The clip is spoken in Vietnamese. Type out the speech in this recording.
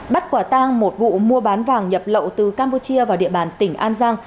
bắt quả tang một vụ mua bán vàng nhập lậu từ campuchia vào địa bàn tỉnh an giang